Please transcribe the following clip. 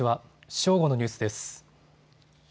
正午のニュースです。